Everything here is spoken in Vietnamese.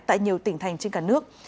tại nhiều tỉnh thành trên cả nước